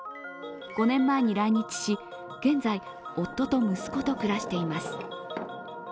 ５年前に来日し、現在、夫と息子と暮らしています。